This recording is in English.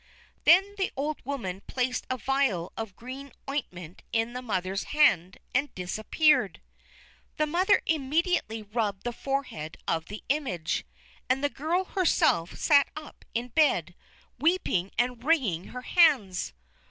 Then the old woman placed a vial of green ointment in the mother's hand, and disappeared. The mother immediately rubbed the forehead of the image, and the girl herself sat up in bed, weeping and wringing her hands.